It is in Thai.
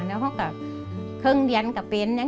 แล้วเขาก็เครื่องเรียนก็เป็น